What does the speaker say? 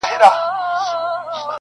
• شپه اوږده او درنه وي تل,